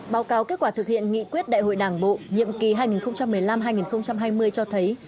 báo cáo kết quả thực hiện nghị quyết đại hội đảng bộ nhiệm kỳ hai nghìn một mươi năm hai nghìn hai mươi cho thấy